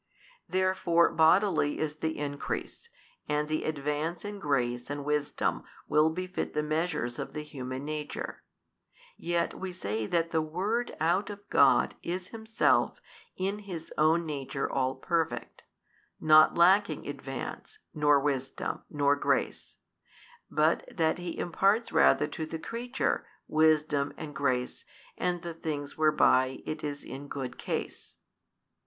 Therefore bodily is the increase; and the advance in grace and wisdom will befit the measures of the Human nature: yet we say that the Word out of God is Himself in His own Nature All Perfect, not lacking advance, nor wisdom, nor grace, but that He imparts rather to the creature wisdom and grace and the things whereby it is in good case.